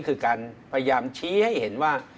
คือการพยายามชี้ให้เห็นว่า